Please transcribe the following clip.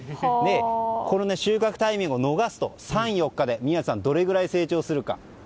このタイミングを逃すと３４日でどれくらい成長するか。